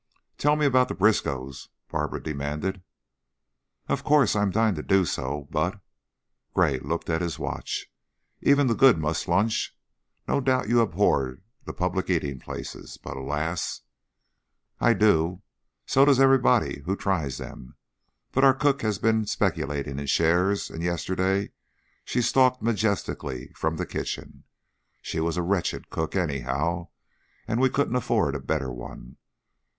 "Tell me about the Briskows," Barbara demanded. "Of course! I'm dying to do so, but" Gray looked at his watch "even the good must lunch. No doubt you abhor the public eating places, but, alas " "I do. So does everybody who tries them. But our cook has been speculating in shares, and yesterday she stalked majestically from the kitchen. She was a wretched cook, anyhow; but we couldn't afford a better one.